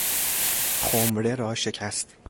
خمره را شکست